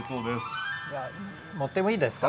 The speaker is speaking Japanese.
持ってもいいですか？